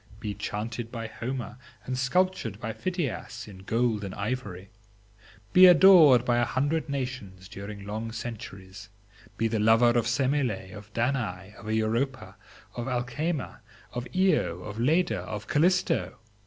be chanted by Homer, and sculptured by Phidias in gold and ivory; be adored by a hundred nations during long centuries; be the lover of Semele, of Danae, of Europa, of Alcmena, of Io, of Leda, of Calisto!